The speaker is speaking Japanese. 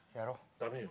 ダメよ。